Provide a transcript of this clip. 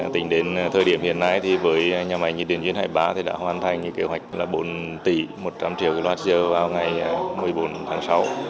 tính đến thời điểm hiện nay với nhà máy nhiệt điện duyên hải ba đã hoàn thành kế hoạch là bốn tỷ một trăm linh triệu kwh vào ngày một mươi bốn tháng sáu